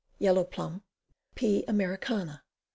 Yellow P. P. Americana.